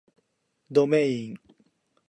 どめいん